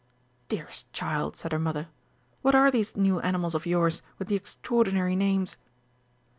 "Dearest child," said her mother, "what are these new animals of yours with the extraordinary names?"